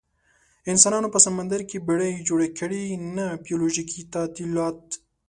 انسانانو په سمندر کې بیړۍ جوړې کړې، نه بیولوژیکي تعدیلات.